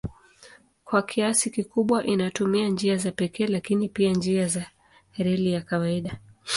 Kwa kiasi kikubwa inatumia njia za pekee lakini pia njia za reli ya kawaida.